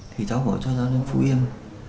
thì cháu hỏi cho cháu lên phú yêm